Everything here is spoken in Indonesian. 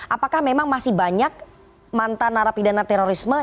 apakah memang masih banyak mantan narapidana terorisme